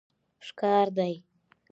ښکار دي